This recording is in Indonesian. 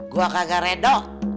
gua kagak reda